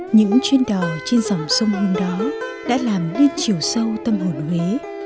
những chuyên đò trên dòng sông hương đó đã làm lên chiều sâu tâm hồn huế